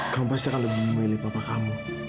kamu pasti akan lebih memilih bapak kamu